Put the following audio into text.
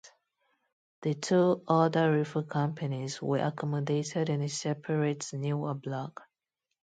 The two other Rifle Companies were accommodated in a separate, newer block.